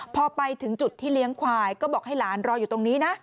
พอไปถึงจุดที่เลี้ยงควายก็บอกให้หลานรออยู่ตรงนี้นะ